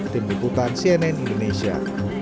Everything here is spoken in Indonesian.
tim liputan cnn indonesia